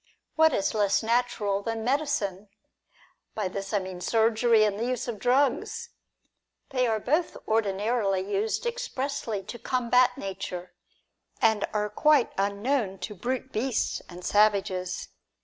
What is less natural than medicine ? By this I mean surgery, and the use of drugs. They are both ordinarily used expressly to com bat nature, and are quite unknown to brute beasts and savages.